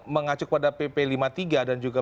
mengacu kepada pp lima puluh tiga dan juga